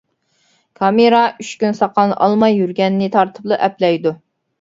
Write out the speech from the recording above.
كامېرا ئۈچ كۈن ساقالنى ئالماي يۈگۈرگەننى تارتىپلا ئەپلەيدۇ.